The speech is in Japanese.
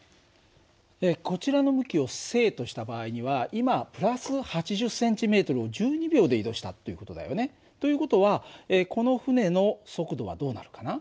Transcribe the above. こちらの向きを正とした場合には今＋８０ｃｍを１２秒で移動したっていう事だよね。という事はこの船の速度はどうなるかな？